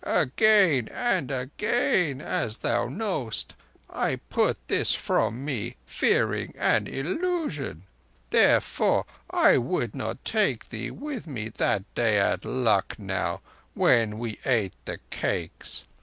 Again and again, as thou knowest, I put this from me, fearing an illusion. Therefore I would not take thee with me that day at Lucknow, when we ate the cakes.